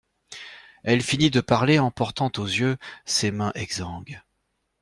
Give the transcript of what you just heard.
Elle finit de parler en portant aux yeux ses mains exangues.